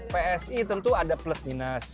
psi tentu ada plus minus